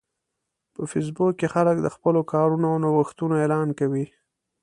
په فېسبوک کې خلک د خپلو کارونو او نوښتونو اعلان کوي